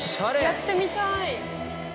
やってみたい。